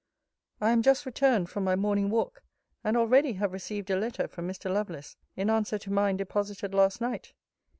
I am just returned from my morning walk, and already have received a letter from Mr. Lovelace in answer to mine deposited last night.